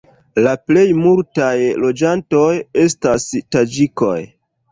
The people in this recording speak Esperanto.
La plejmultaj loĝantoj estas taĝikoj.